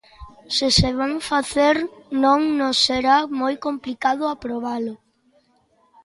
Se se van facer, non nos será moi complicado aprobalo.